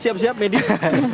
siap siap medis